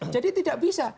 jadi tidak bisa